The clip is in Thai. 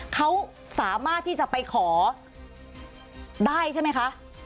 เขาสามารถที่จะไปขอได้ใช่ไหมคะ